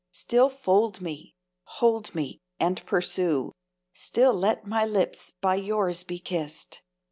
Still fold me, hold me, and pursue! Still let my lips by yours be kissed!